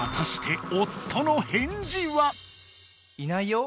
「いないよ！